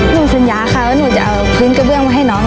หนูสัญญาค่ะแล้วหนูจะเอาพื้นกระเบื้องมาให้น้อง